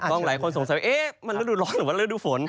หลายคนสงสัยว่ามันฤดูร้อนหรือว่าฤดูฝน